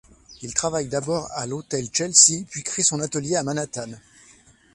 Il travaille d'abord à l'Hotel Chelsea puis crée son atelier à Manhattan.